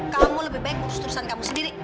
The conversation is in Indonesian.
kamu lebih baik berusaha teruskan kamu sendiri